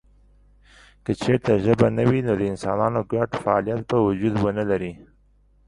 که چېرته ژبه نه وي نو د انسانانو ګډ فعالیت به وجود ونه لري.